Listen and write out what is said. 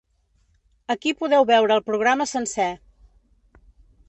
Aquí podeu veure el programa sencer.